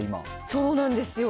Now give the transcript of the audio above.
そうなんですよ。